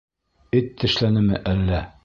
Эт тешләнеме әллә?